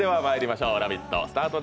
「ラヴィット！」